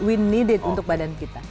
we need it untuk badan kita